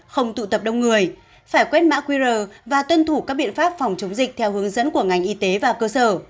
không tụ tập đông người phải quét mã qr và tuân thủ các biện pháp phòng chống dịch theo hướng dẫn của ngành y tế và cơ sở